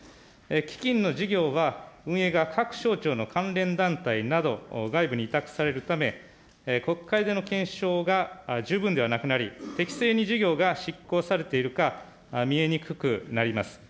基金の事業は運営が各省庁の関連団体など、外部に委託されるため、国会での検証が十分ではなくなり、適正に事業が執行されているか、見えにくくなります。